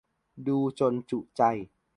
ดูจนจุใจ